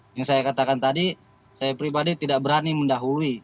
yang saya katakan tadi saya pribadi tidak berani mendahului